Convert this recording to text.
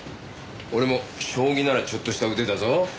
俺も将棋ならちょっとした腕だぞ。